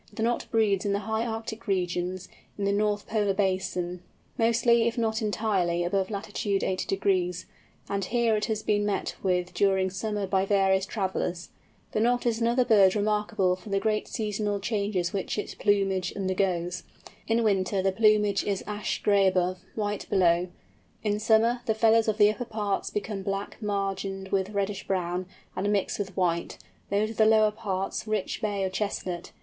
The Knot breeds in the high Arctic regions, in the North Polar Basin, mostly, if not entirely above lat. 80°; and here it has been met with during summer by various travellers. The Knot is another bird remarkable for the great seasonal changes which its plumage undergoes. In winter, the plumage is ash gray above, white below; in summer, the feathers of the upper parts become black margined with reddish brown and mixed with white, those of the lower parts rich bay or chestnut.